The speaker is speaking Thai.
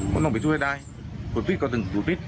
ผมต้องปิดสู้ให้ได้ผลพิษก็ถึงผลพิษ